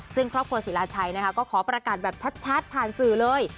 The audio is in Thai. ซึ่งครอบครัวศิลาชัยนะคะก็ขอประกาศแบบชัดผ่านสื่อเลย